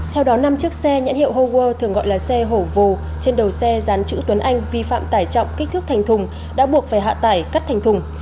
theo đó năm chiếc xe nhãn hiệu hower thường gọi là xe hổ vồ trên đầu xe gián chữ tuấn anh vi phạm tải trọng kích thước thành thùng đã buộc phải hạ tải cắt thành thùng